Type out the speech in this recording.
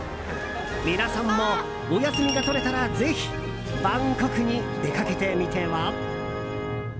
皆さんも、お休みが取れたらぜひバンコクに出かけてみては？